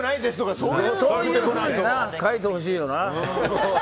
そう書いてほしいよな。